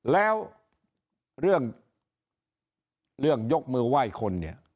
แล้วเรื่องยกมือไหว้คนเนี่ย